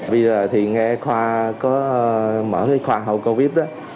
bây giờ thì nghe khoa có mở cái khoa hậu covid đó